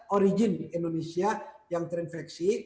origin di indonesia yang terinfeksi